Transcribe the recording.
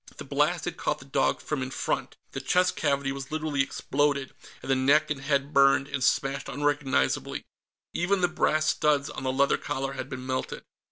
The blast had caught the dog from in front the chest cavity was literally exploded, and the neck and head burned and smashed unrecognizably. Even the brass studs on the leather collar had been melted.